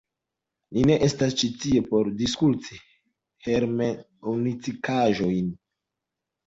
Ni ne estas ĉi tie por diskuti hermeneŭtikaĵojn!